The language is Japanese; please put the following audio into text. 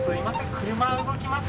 車動きます！